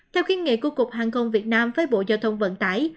theo khiến nghị của cục hàng không việt nam với bộ giao thông vận tải